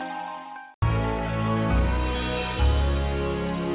saya turut tidak mengerti